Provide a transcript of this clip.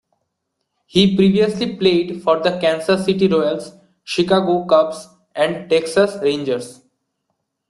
He previously played for the Kansas City Royals, Chicago Cubs, and Texas Rangers.